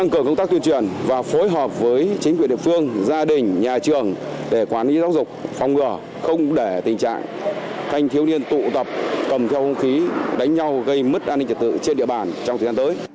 không để tình trạng thanh thiếu niên tụ tập cầm theo hung khí đánh nhau gây mất an ninh trật tự trên địa bàn trong thời gian tới